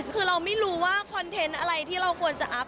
คือเราไม่รู้ว่าคอนเทนต์อะไรที่เราควรจะอัพ